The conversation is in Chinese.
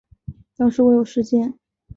要是我有时间